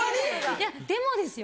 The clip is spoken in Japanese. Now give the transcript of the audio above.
いやでもですよ？